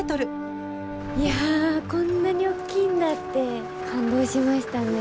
いやこんなに大きいんだって感動しましたね。